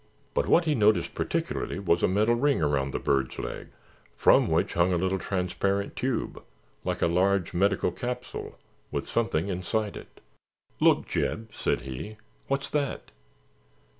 But what he noticed particularly was a metal ring around the bird's leg from which hung a little transparent tube, like a large medical capsule, with something inside it. "Look, Jeb," said he. "What's that?"